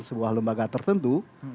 sebuah lembaga tertentu